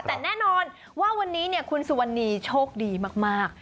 แต่แน่นอนว่าวันนี้คุณสุวรรณีโชคดีมาก